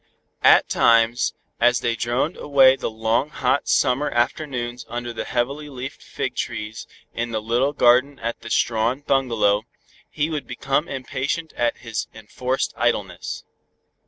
At times, as they droned away the long hot summer afternoons under the heavily leafed fig trees in the little garden of the Strawn bungalow, he would become impatient at his enforced idleness.